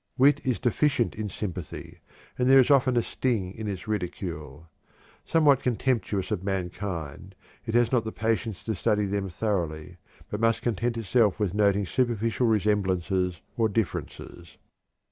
Wit is deficient in sympathy, and there is often a sting in its ridicule. Somewhat contemptuous of mankind, it has not the patience to study them thoroughly, but must content itself with noting superficial resemblances or differences.